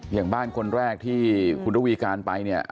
อย่างบ้านคนแรกที่คุณระวีการไปเนี่ย